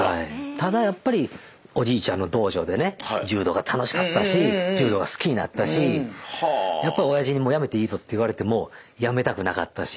ただやっぱりおじいちゃんの道場でね柔道が楽しかったし柔道が好きになったしやっぱおやじにもうやめていいぞって言われてもやめたくなかったし。